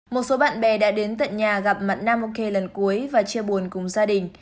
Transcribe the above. một số bạn bè đã đến tận nhà gặp mặn nam oke lần cuối và chia buồn cùng gia đình